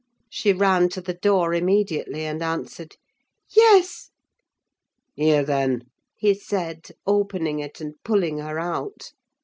She ran to the door immediately, and answered, "Yes." "Here, then," he said, opening it, and pulling her out.